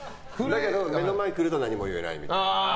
でも目の前来ると何も言えないみたいな。